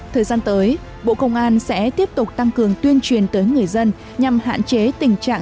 thời gian tới bộ công an sẽ tiếp tục tăng cường tuyên truyền tới người dân nhằm hạn chế tình trạng dịch vụ tự phát